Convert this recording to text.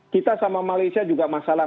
kita sama malaysia juga masalah